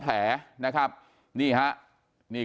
กลุ่มตัวเชียงใหม่